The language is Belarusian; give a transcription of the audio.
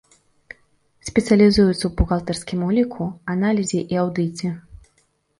Спецыялізуецца ў бухгалтарскім уліку, аналізе і аўдыце.